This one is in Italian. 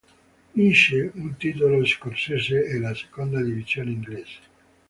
Vince un titolo scozzese e la seconda divisione inglese.